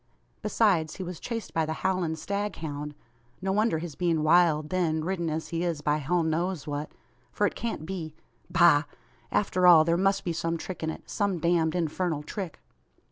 Besides, he was chased by the howling staghound. No wonder his being wild, then, ridden as he is by hell knows what; for it can't be Bah! After all, there must be some trick in it; some damned infernal trick!"